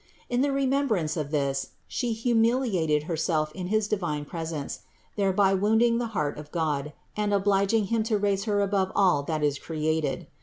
In the remembrance of this She humiliated Herself in his divine presence, thereby wounding the heart of God and obliging Him to raise Her above all that is created.